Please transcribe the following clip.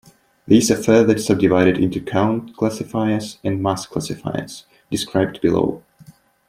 These are further subdivided into "count-classifiers" and "mass-classifiers", described below.